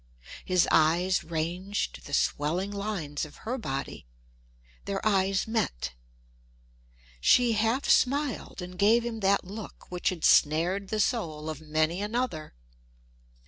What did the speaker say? His eyes ranged the swelling lines of her body. Their eyes met. She half smiled and gave him that look which had snared the soul of many another.